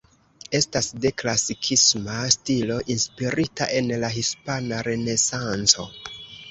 Estas de klasikisma stilo inspirita en la Hispana Renesanco.